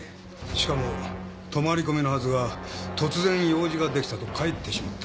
しかも泊り込みのはずが突然用事ができたと帰ってしまった。